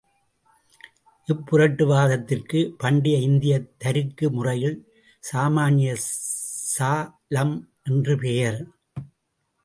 இப்புரட்டு வாதத்திற்கு பண்டைய இந்தியத் தருக்க முறையில் சாமான்ய சாலம் என்று பெயர்.